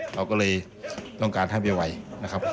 เราก็เลยต้องการให้ไปไหวนะครับ